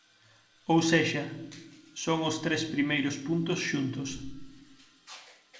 Ou sexa, son os tres primeiros puntos xuntos.